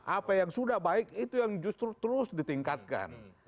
apa yang sudah baik itu yang justru terus ditingkatkan